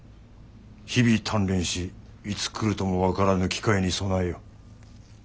日々鍛錬しいつ来るとも分からぬ機会に備えよ。